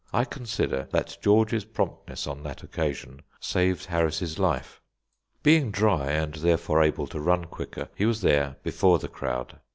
I consider that George's promptness on that occasion saved Harris's life. Being dry, and therefore able to run quicker, he was there before the crowd.